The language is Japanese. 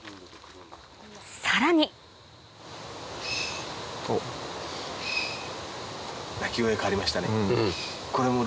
さらに鳴き声変わりましたね。